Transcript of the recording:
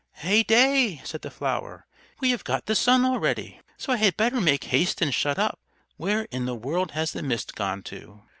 "Heyday!" said the flower. "We have got the Sun already, so I had better make haste and shut up. Where in the world has the Mist gone to?"